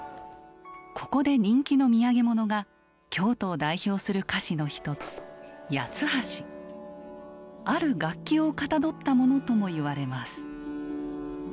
ここで人気の土産物が京都を代表する菓子の一つある楽器をかたどったものともいわれます。